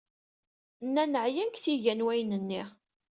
Nnan ɛyan deg tiga n wayen-nni.